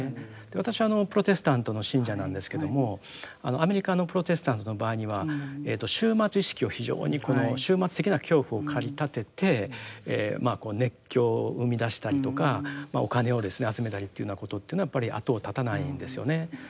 私はプロテスタントの信者なんですけどもアメリカのプロテスタントの場合には終末意識を非常にこの終末的な恐怖を駆り立てて熱狂を生み出したりとかお金を集めたりというようなことというのはやっぱり後を絶たないんですよね。